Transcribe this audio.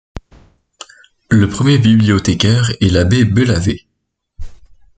Le premier bibliothécaire est l’Abbé Bevalet.